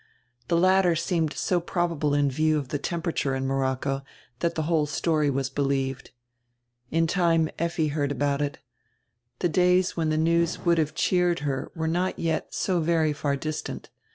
The latter seemed so probable in view of the temperature in Morocco, that the whole story was believed. In time Effi heard about it. The days when the news would have cheered her were not yet so very far distant.